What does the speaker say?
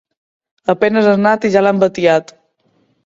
A penes és nat i ja l'han batejat.